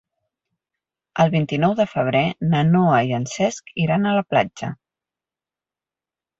El vint-i-nou de febrer na Noa i en Cesc iran a la platja.